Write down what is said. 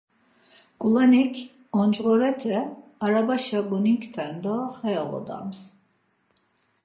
Ǩulanik oncğorete arabaşa goninkten do xe oğodaps.